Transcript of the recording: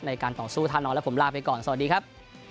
ในการต่อสู้ท่านอนแล้วผมลาไปก่อนสวัสดีครับ